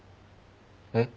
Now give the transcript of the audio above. えっ？